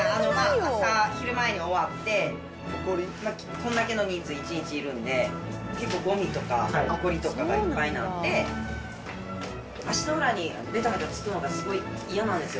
朝、昼前に終わって、こんだけの人数一日いるんで、結構、ごみとかほこりとかがいっぱいなんで、足の裏にべたべたつくのがすごい嫌なんですよ。